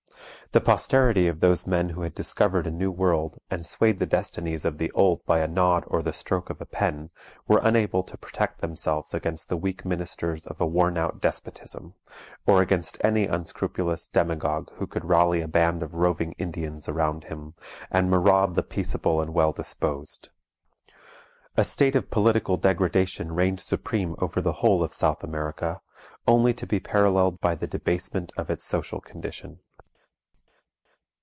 The posterity of those men who had discovered a new world, and swayed the destinies of the old by a nod or the stroke of a pen, were unable to protect themselves against the weak ministers of a worn out despotism, or against any unscrupulous demagogue who could rally a band of roving Indians around him, and maraud the peaceable and well disposed. A state of political degradation reigned supreme over the whole of South America, only to be paralleled by the debasement of its social condition.